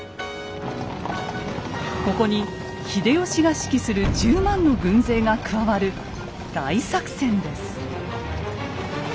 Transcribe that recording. ここに秀吉が指揮する１０万の軍勢が加わる大作戦です。